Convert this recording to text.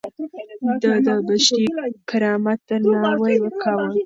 ده د بشري کرامت درناوی کاوه.